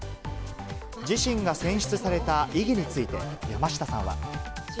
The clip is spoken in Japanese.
自身が選出された意義について、山下さんは。